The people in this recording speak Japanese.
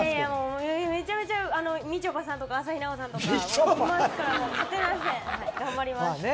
めちゃめちゃみちょぱさんとか朝日奈央さんがいるので頑張ります。